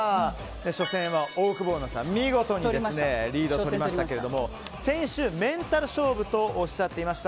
初戦はオオクボーノさんが見事にリードをとりましたけども先週、メンタル勝負とおっしゃっていました。